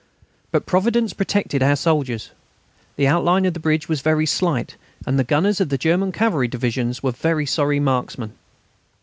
But Providence protected our soldiers. The outline of the bridge was very slight, and the gunners of the German cavalry divisions were sorry marksmen.